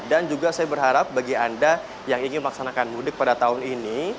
dan juga saya berharap bagi anda yang ingin melaksanakan mudik pada tahun ini